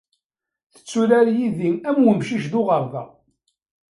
Tetturar yid-i am wemcic d uɣerda.